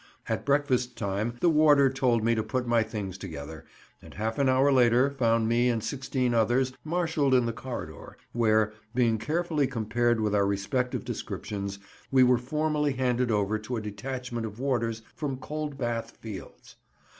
At breakfast time the warder told me to put my things together, and half an hour later found me and sixteen others marshalled in the corridor, where, being carefully compared with our respective descriptions, we were formally handed over to a detachment of warders from Coldbath Fields.